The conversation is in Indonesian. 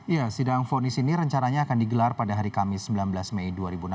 ya sidang fonis ini rencananya akan digelar pada hari kamis sembilan belas mei dua ribu enam belas